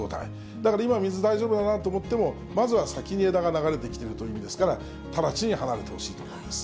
だから今、水大丈夫だなと思っても、まずは先に枝が流れてきているという意味ですから、直ちに離れてほしいということです。